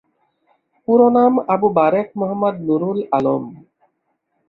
পুরো নাম আবু বারেক মোহাম্মাদ নূরুল আলম।